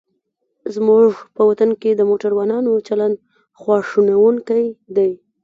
زموږ په وطن کې د موټروانانو چلند خواشینوونکی دی.